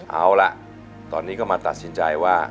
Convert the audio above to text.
เอาละตอนนี้ก็มาตัดสินใจว่า